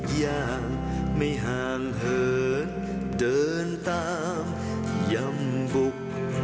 อย่างไม่ห่างเหินเดินตามย่ำบุก